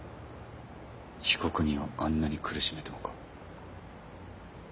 被告人をあんなに苦しめてもか？